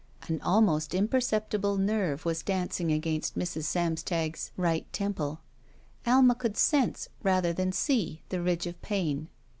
An almost imperceptible nerve was dancing against Mrs. Samstag's right temple. Alma could sense, rather than see, the ridge of pain.